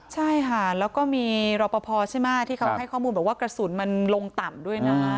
ใช่ค่ะแล้วก็มีรอปภใช่ไหมที่เขาให้ข้อมูลบอกว่ากระสุนมันลงต่ำด้วยนะ